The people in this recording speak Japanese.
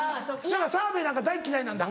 澤部なんか大っ嫌いなんだ？